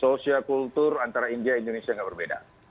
sosial kultur antara india indonesia tidak berbeda